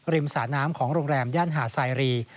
สระน้ำของโรงแรมย่านหาดไซรี